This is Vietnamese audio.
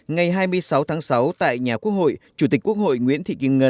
ngày hai mươi sáu tháng sáu tại nhà quốc hội chủ tịch quốc hội nguyễn thịnh